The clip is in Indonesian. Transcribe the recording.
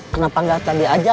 kenapa gak tadi aja kenalannya